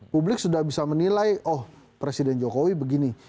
publik sudah bisa menilai oh presiden jokowi begini